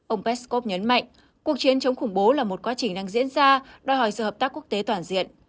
ông peskov nhấn mạnh cuộc chiến chống khủng bố là một quá trình đang diễn ra đòi hỏi sự hợp tác quốc tế toàn diện